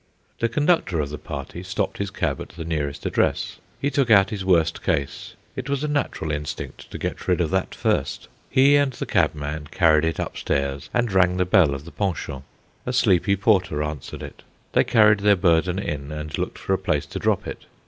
The conductor of the party stopped his cab at the nearest address. He took out his worst case; it was a natural instinct to get rid of that first. He and the cabman carried it upstairs, and rang the bell of the Pension. A sleepy porter answered it. They carried their burden in, and looked for a place to drop it.